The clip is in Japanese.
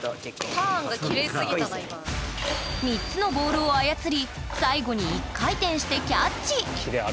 ３つのボールを操り最後に１回転してキャッチ。